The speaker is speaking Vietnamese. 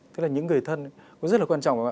tức là những người thân cũng rất là quan trọng